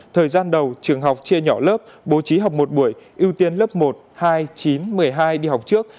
thời gian đầu trường học chia nhỏ lớp bố trí học một buổi ưu tiên lớp một hai chín một mươi hai đi học trước